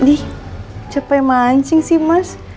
sedih capek mancing sih mas